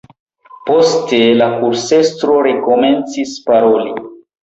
Poste la kursestro rekomencis paroli.